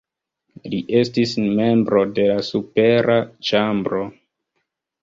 Li estis membro de la supera ĉambro.